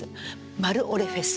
「マルオレフェス」。